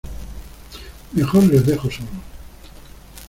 mejor les dejo solos.